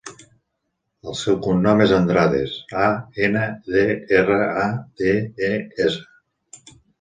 El seu cognom és Andrades: a, ena, de, erra, a, de, e, essa.